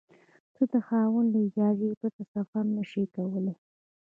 ته د خاوند له اجازې پرته سفر نشې کولای.